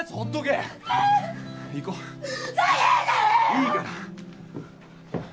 いいから。